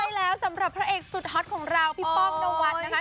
ใช่แล้วสำหรับพระเอกสุดฮอตของเราพี่ป้องนวัดนะคะ